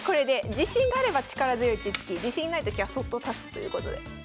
自信があれば力強い手つき自信ないときはそっと指すということで。